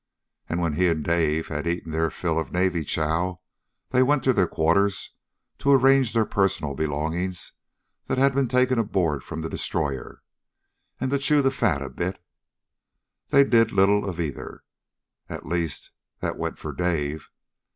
And when he and Dave had eaten their fill of Navy chow they went to their quarters to arrange their personal belongings that had been taken aboard from the destroyer, and to chew the fat a bit. They did little of either. At least, that went for Dave.